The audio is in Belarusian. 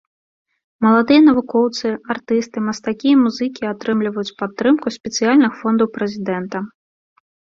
Маладыя навукоўцы, артысты, мастакі і музыкі атрымліваюць падтрымку спецыяльных фондаў прэзідэнта.